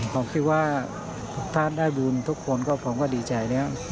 ผมคิดว่าท่านได้บุญทุกคนผมก็ดีใจ